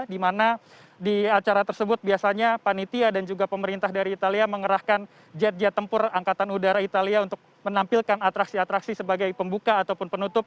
di mana di acara tersebut biasanya panitia dan juga pemerintah dari italia mengerahkan jet jet tempur angkatan udara italia untuk menampilkan atraksi atraksi sebagai pembuka ataupun penutup